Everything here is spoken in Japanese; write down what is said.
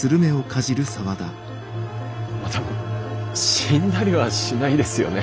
でも死んだりはしないですよね？